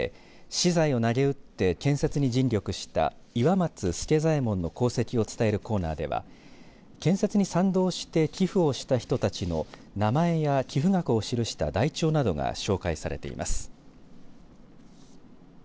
私財を投げうって建設に尽力した岩松助左衛門の功績を伝えるコーナーでは建設に賛同して寄付をした人たちの名前や寄付額を記した台帳などが紹介されています。